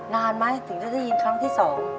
นานไหมถึงจะได้ยินครั้งที่๒